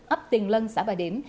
ấp tiền lân xã bà điểm